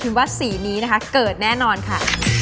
ว่าสีนี้นะคะเกิดแน่นอนค่ะ